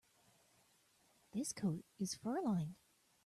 This coat is fur-lined.